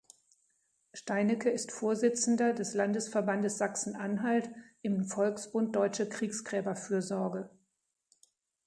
Steinecke ist Vorsitzender des Landesverbandes Sachsen-Anhalt im Volksbund Deutsche Kriegsgräberfürsorge.